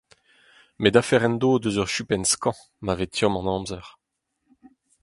Met afer en do eus ur chupenn skañv, ma vez tomm an amzer.